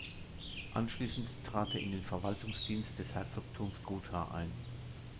Anschließend trat er in den Verwaltungsdienst des Herzogtums Gotha ein.